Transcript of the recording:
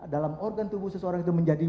dalam organ tubuh seseorang itu menjadi